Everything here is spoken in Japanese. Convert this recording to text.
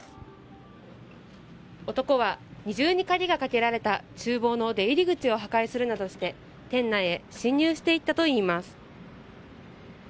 男は二重に鍵がかけられた厨房の出入り口を破壊するなどして店内に侵入していったといいます。